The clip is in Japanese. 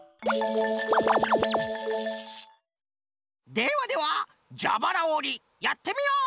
ではではじゃばらおりやってみよう！